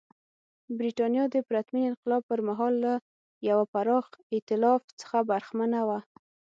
برېټانیا د پرتمین انقلاب پر مهال له یوه پراخ اېتلاف څخه برخمنه وه.